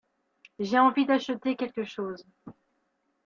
J’ai envie d’acheter quelque chose.